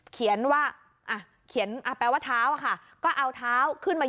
เป็นว่าท้าวค่ะก็เอาท้าวขึ้นมา